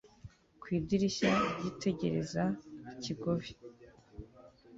ku idirishya ryitegereza ikigobe